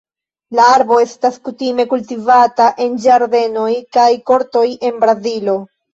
La arbo estas kutime kultivata en ĝardenoj kaj kortoj en Brazilo.